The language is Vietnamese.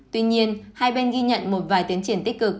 tuy nhiên hai bên ghi nhận một vài tiến triển tích cực